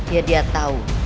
ya dia tahu